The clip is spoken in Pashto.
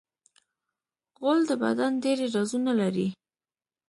غول د بدن ډېری رازونه لري.